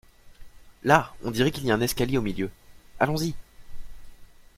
Là, on dirait qu'il y a un escalier au milieu. Allons-y!